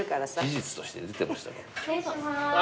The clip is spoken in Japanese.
失礼します。